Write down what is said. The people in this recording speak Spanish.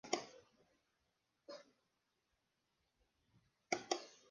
La trama de la obra tiene dos partes.